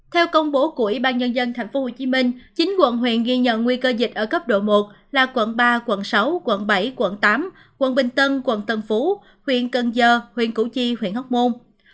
theo công bố của ủy ban nhân dân thành phố hồ chí minh chín quận huyện ghi nhận nguy cơ dịch ở cấp độ một là quận ba quận sáu quận bảy quận tám quận bình tân quận tân phú huyện cần giờ huyện củ chi huyện hóc môn